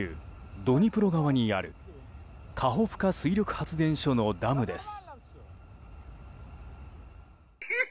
ドニプロ川にあるカホフカ水力発電所のダムです。